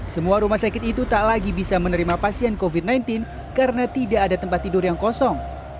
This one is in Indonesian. semua rumah sakit itu tak lagi bisa menerima pasien covid sembilan belas karena tidak ada tempat tidur yang kosong